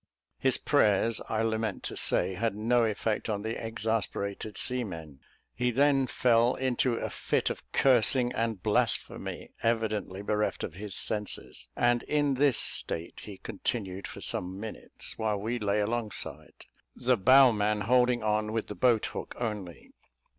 His prayers, I lament to say, had no effect on the exasperated seamen. He then fell into a fit of cursing and blasphemy, evidently bereft of his senses; and in this state he continued for some minutes, while we lay alongside, the bowman holding on with the boat hook only.